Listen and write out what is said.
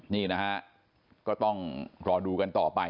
นี่นะฮะก็ต้องรอดูกันต่อไป